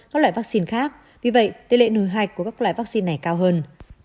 các loại vaccine khác vì vậy tỷ lệ nồi hạch của các loại vaccine này cao hơn